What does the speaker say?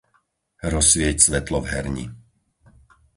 Rozsvieť svetlo v herni.